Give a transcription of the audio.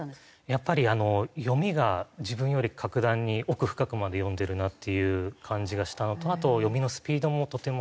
やっぱり読みが自分より格段に奥深くまで読んでるなっていう感じがしたのとあと読みのスピードもとても速くて。